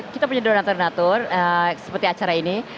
kita punya doa natur natur seperti acara ini